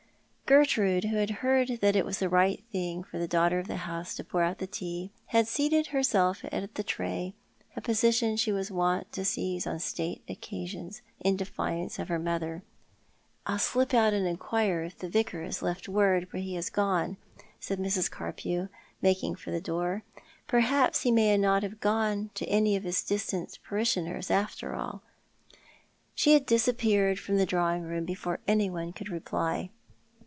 Gertrude, who had heard that it was the right thing for the daTighter of the house to i^our out the tea, had seated herself at the tray, a position she was wont to seize on state occasions^ in defiance of her mother. " I'll slip out and inquire if the Vicar has left word where he has gone," said Mrs. Carpew, making for the door. " Perhaps he may not have gone to any of his distant parishioners after all." She had disappeared from the drawing room before anyone could reply.